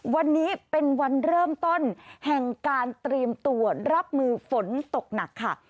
วันนี้เป็นวันเริ่มต้นแห่งการเตรียมตัวรับมือฝนตกหนักค่ะ